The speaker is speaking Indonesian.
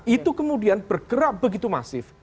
itu kemudian bergerak begitu masif